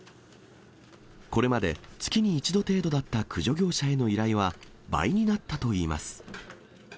これまで月に１度程度だった駆除業者への依頼は、倍になったといいます。